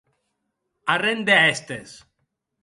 Arren de hèstes!